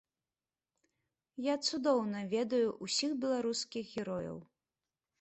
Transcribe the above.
Я цудоўна ведаю ўсіх беларускіх герояў.